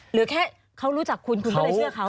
หรือแค่เขารู้จักคุณคุณก็เลยเชื่อเขา